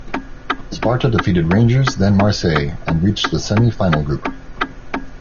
Sparta defeated Rangers, then Marseille and reached the semi-final group.